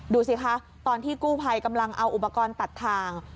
ดูสิคะตอนที่กู้ภัยกำลังเอาอุปกรณ์ตัดทาง